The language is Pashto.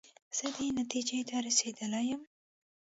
زه دې نتیجې ته رسېدلی یم.